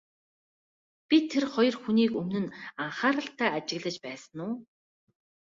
Би тэр хоёр хүнийг өмнө нь анхааралтай ажиглаж байсан уу?